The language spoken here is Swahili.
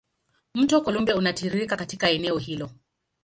Mto Columbia unatiririka katika eneo hilo.